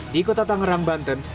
di kota tangerang banten